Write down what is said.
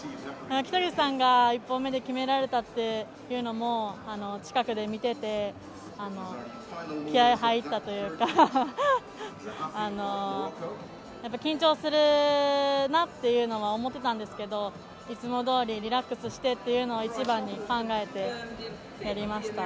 北口さんが１本目で決められたというのを近くで見てて、気合い入ったというか、緊張するなっていうのは思ってたんですけどいつもどおり、リラックスしてっていうのを一番に考えてやりました。